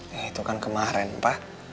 ya itu kan kemarin pak